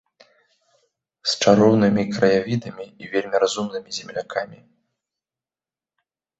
З чароўнымі краявідамі і вельмі разумнымі землякамі.